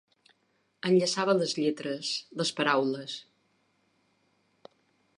Enllaçava les lletres, les paraules.